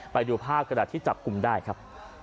ไปดูภาพกระดาษที่จับกลุ่มได้ครับ